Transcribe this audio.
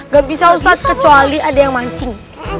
gak bisa ustadz kecuali ada yang mancing